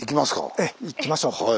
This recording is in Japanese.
ええ行きましょう。